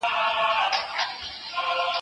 آزارونه را پسې به وي د زړونو